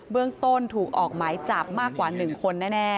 เรื่องต้นถูกออกหมายจับมากกว่า๑คนแน่